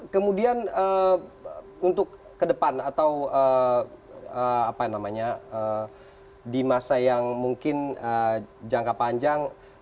kemudian untuk ke depan atau apa namanya di masa yang mungkin jangka panjang